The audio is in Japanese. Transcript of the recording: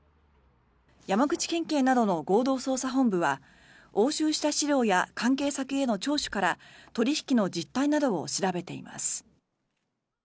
山口県警などの合同捜査本部は押収した資料や関係先への聴取から取引の実態などを調べています。